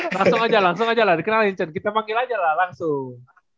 langsung aja lah langsung aja lah dikenalin cet kita panggil aja lah langsung